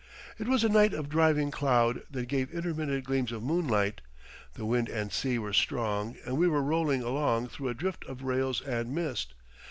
It was a night of driving cloud that gave intermittent gleams of moonlight; the wind and sea were strong and we were rolling along through a drift of rails and mist.